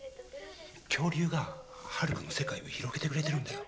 恐竜がハルカの世界を広げてくれてるんだよ。